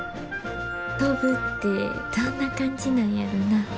飛ぶってどんな感じなんやろな。